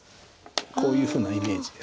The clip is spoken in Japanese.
こういうふうなイメージですよね。